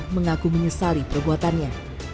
mengaku menyesali perbuatannya